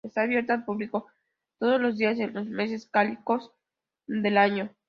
Está abierto al público todos los días en los meses cálidos del año.